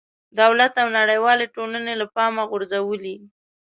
دولت او نړېوالې ټولنې له پامه غورځولې.